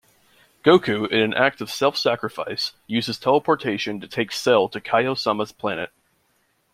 Goku, in an act of self-sacrifice, uses teleportation to take Cell to Kaio-sama's planet.